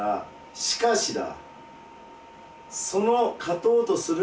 しかしだ！